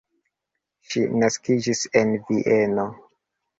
Ŝi naskiĝis en Vieno.